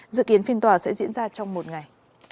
dự kiến phiên tòa sẽ diễn ra trong một ngày